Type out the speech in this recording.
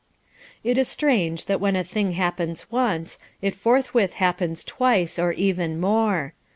It is strange that when a thing happens once, it forthwith happens twice or even more.